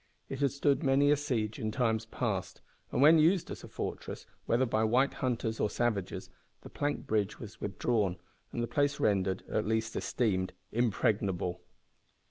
It had stood many a siege in times past, and when used as a fortress, whether by white hunters or savages, the plank bridge was withdrawn, and the place rendered at least esteemed impregnable.